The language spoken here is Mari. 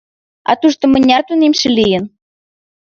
— А тушто мыняр тунемше лийын?